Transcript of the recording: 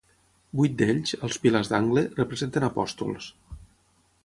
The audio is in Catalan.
Vuit d'ells, als pilars d'angle, representen apòstols.